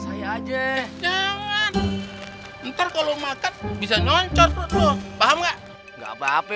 saya aja jangan ntar kalau makan bisa nyoncor bahwa enggak apa apa